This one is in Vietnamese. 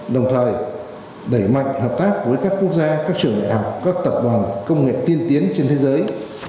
đồng thời đẩy mạnh hợp tác với các quốc gia các trường đại học các tập đoàn công nghệ tiên tiến trên thế giới